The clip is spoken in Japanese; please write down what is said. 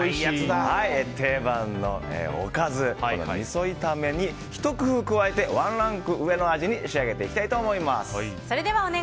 定番のおかずのみそ炒めにひと工夫加えてワンランク上の味に仕上げていきたいと思います。